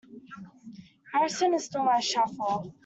Harrison is still my chauffeur.